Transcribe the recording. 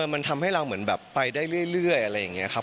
มันทำให้เราเหมือนแบบไปได้เรื่อยอะไรอย่างนี้ครับ